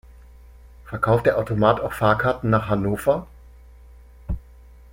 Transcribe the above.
Verkauft der Automat auch Fahrkarten nach Hannover?